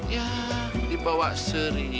ya dibawa seri